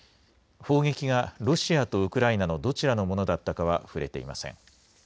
砲撃がロシアとウクライナのどちらのものだったかは触れていません。